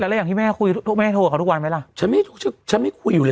แล้วอย่างที่แม่คุยแม่โทรกับเขาทุกวันไหมล่ะฉันไม่ฉันไม่คุยอยู่เลย